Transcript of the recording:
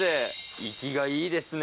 生きがいいですね